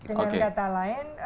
dengan data lain